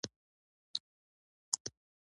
دا بندیخانې د هېواد په ګوټ ګوټ کې وې.